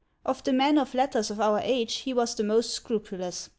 Of the men of letters of our age he was the most scrupulous.